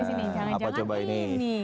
sini sini jangan jangan ini